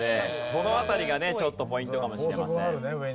この辺りがねちょっとポイントかもしれません。